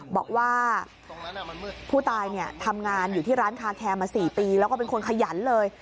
บอกว่าผู้ตายทำงานอยู่ที่ร้านคาแคร์มา๔ปีแล้วก็เป็นคนขยันเลย